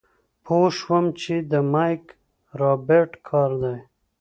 پوه شوم چې د مايک رابرټ کار دی.